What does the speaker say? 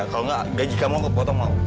kalau gak gaji kamu aku potong mau